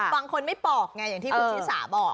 บางคนไม่ปอกเหมือนที่คุณซี่สาบบอก